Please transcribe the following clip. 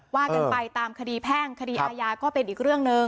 ว่ากันไปตามคดีแพ่งคดีอาญาก็เป็นอีกเรื่องหนึ่ง